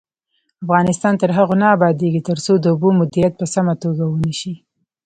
افغانستان تر هغو نه ابادیږي، ترڅو د اوبو مدیریت په سمه توګه ونشي.